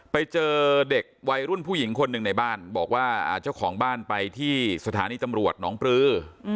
ไปเจอเด็กวัยรุ่นผู้หญิงคนหนึ่งในบ้านบอกว่าเจ้าของบ้านไปที่สถานีตำรวจหนองปลือ